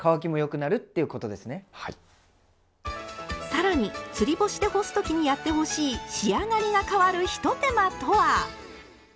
更に「つり干し」で干す時にやってほしい仕上がりが変わるひと手間とは！